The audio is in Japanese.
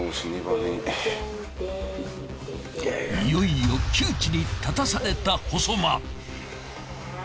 いよいよ窮地に立たされた細間。